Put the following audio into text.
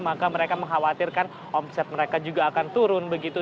maka mereka mengkhawatirkan omset mereka juga akan turun begitu